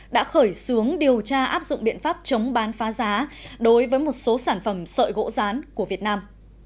đã khởi xướng điều tra áp dụng biện pháp chống bán phá giá đối với một số sản phẩm sợi gỗ rán của việt nam